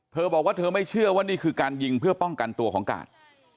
เธอบอกว่าเธอไม่เชื่อว่านี่คือการยิงเพื่อป้องกันตัวของกาด